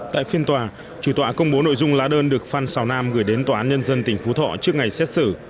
tại phiên tòa chủ tọa công bố nội dung lá đơn được phan xào nam gửi đến tòa án nhân dân tỉnh phú thọ trước ngày xét xử